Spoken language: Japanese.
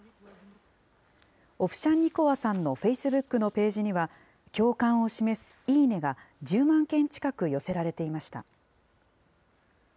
オフシャンニコワさんのフェイスブックのページには、共感を示すいいねが１０万件近く寄せられていました。